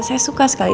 saya suka sekali